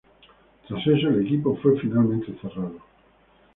Tras eso, el equipo fue finalmente cerrado.